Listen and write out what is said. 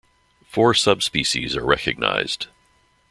Four subspecies are recognized.